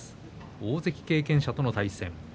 大関経験者との対戦です。